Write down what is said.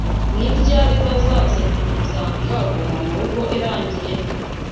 Ni ryari bazaza kunsanga gumamurugo irangiye?